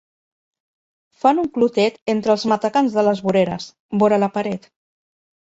Fan un clotet entre els matacans de les voreres, vora la paret.